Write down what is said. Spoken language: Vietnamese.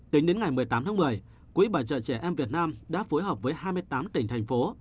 tính đến ngày một mươi tám tháng một mươi quỹ bảo trợ trẻ em việt nam đã phối hợp với hai mươi tám tỉnh thành phố